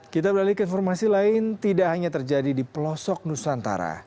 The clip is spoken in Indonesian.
kita beralih ke informasi lain tidak hanya terjadi di pelosok nusantara